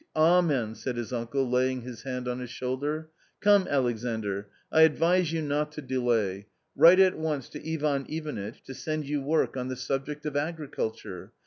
" Amen !" said his uncle, laying his hand on his shoulder. " Come, Alexandr, I advise you not to delay : write at once to Ivan Ivanitch, to send you work on the subject of agriculture.